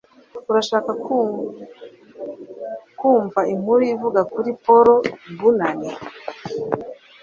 Urashaka kumva inkuru ivuga kuri Paul Bunyan?